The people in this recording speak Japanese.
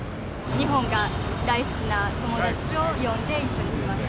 日本が大好きな友達を呼んで、一緒に来ました。